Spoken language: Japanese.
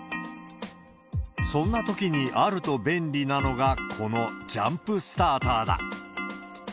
そんなときにあると便利なのが、このジャンプスターターだ。